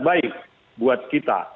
baik buat kita